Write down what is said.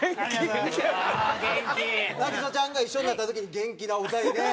凪咲ちゃんが一緒になった時に元気なお二人で。